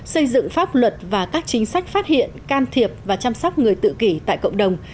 xây dựng pháp luật và các chính sách phát hiện can thiệp và chăm sóc người tự kỷ tại cộng đồng